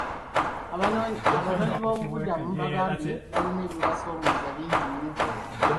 Abanoonyiboobubudamu baagambye baalina ebibasoomooza bingi nnyo.